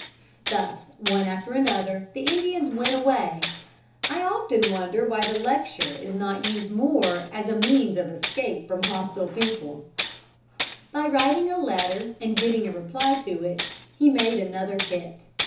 Thus one after another the Indians went away. I often wonder why the lecture is not used more as a means of escape from hostile people. [Illustration: THE REHEARSAL.] By writing a letter and getting a reply to it, he made another hit.